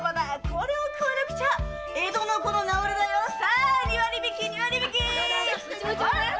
これを食わなくちゃ江戸の子の名折れだよさあ二割引き！